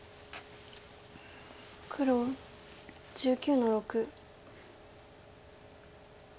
黒１９の六。